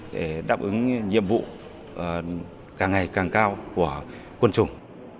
để đáp ứng nhiệm vụ càng ngày càng cao của quân chủng